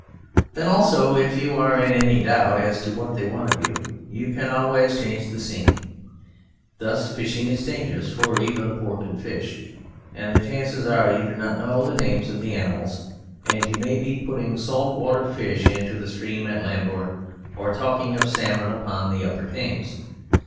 Then also if you are in any doubt as to what they want of you, you can always change the scene. Thus fishing is dangerous for even the poor can fish, and the chances are you do not know the names of the animals, and you may be putting salt water fish into the stream of Lambourne, or talking of salmon upon the Upper Thames.